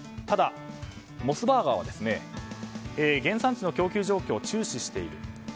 ただ、モスバーガーは原産地の供給状態を注視している。